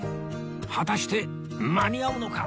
果たして間に合うのか！？